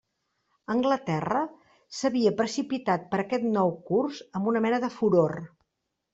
Anglaterra s'havia precipitat per aquest nou curs amb una mena de furor.